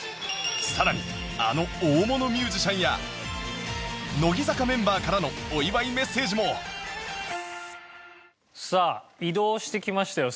さらにあの大物ミュージシャンや乃木坂メンバーからのお祝いメッセージもさあ移動してきましたよ。